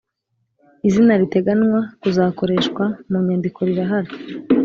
Izina riteganwa kuzakoreshwa munyandiko rirahari